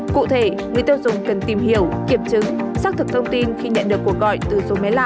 cụ thể người tiêu dùng cần tìm hiểu kiểm chứng xác thực thông tin khi nhận được cuộc gọi từ số máy lạ